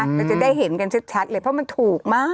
เราจะได้เห็นกันชัดเลยเพราะมันถูกมาก